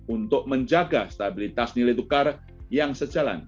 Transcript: untuk menjaga stabilitas nilai tukar yang sejalan